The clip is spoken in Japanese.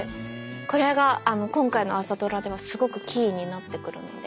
これが今回の朝ドラではすごくキーになってくるので。